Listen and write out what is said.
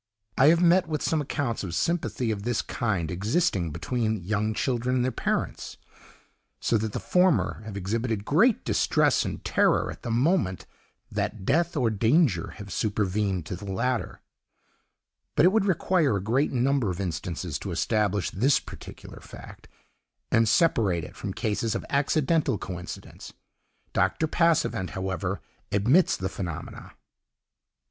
I have met with some accounts of a sympathy of this kind existing between young children and their parents, so that the former have exhibited great distress and terror at the moment that death or danger have supervened to the latter; but it would require a great number of instances to establish this particular fact, and separate it from cases of accidental coincidence. Dr. Passavent, however, admits the phenomena.